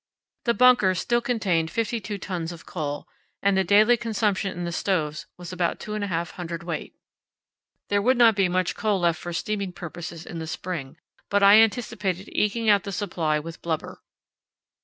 The bunkers still contained 52 tons of coal, and the daily consumption in the stoves was about 2½ cwt. There would not be much coal left for steaming purposes in the spring, but I anticipated eking out the supply with blubber.